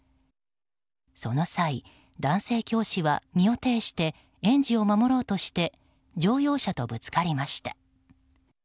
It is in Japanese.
その際、男性教師は身を挺して園児を守ろうとして乗用車とぶつかりました。